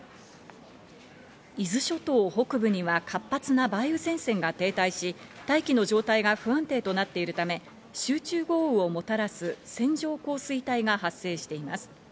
伊豆諸島北部には活発な梅雨前線が停滞し、大気の状態が不安定となっているため、集中豪雨をもたらす線状降水帯が発生しています。